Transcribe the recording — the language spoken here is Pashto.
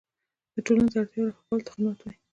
د ټولنې د اړتیاوو رفع کولو ته خدمت وایي.